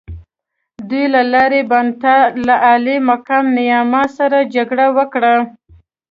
دوی له لاور بانتا له عالي مقام نیاما سره جګړه وکړه.